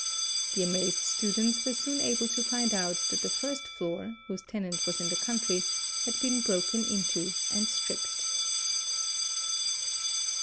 The amazed students were soon able to find out that the first floor, whose tenant was in the country, had been broken intoand stripped.